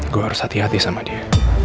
gue harus hati hati sama dia